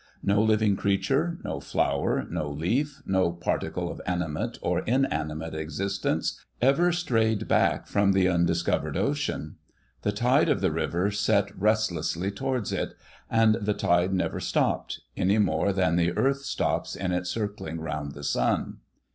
No living creature, no flower, no leaf, no particle of animate or inanimate existence, ever strayed back from the undiscovered ocean. The tide of the river set resistlessly towards it ; and the tide never stopped, any more than the earth stops in its circling round the sun.